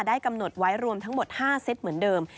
กำหนดไว้รวมทั้งหมด๕เซตเหมือนเดิม